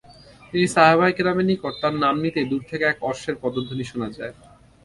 তিনি সাহাবায়ে কেরামের নিকট তার নাম নিতেই দূর থেকে এক অশ্বের পদধ্বনি শোনা যায়।